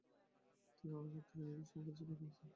তিনি রণক্ষেত্রে নিজেই সৈন্য পরিচালনা করেছিলেন।